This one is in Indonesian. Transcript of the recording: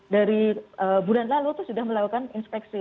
dari bulan lalu itu sudah melakukan inspeksi